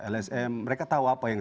lsm mereka tahu apa yang